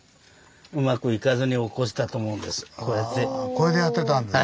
これでやってたんですね。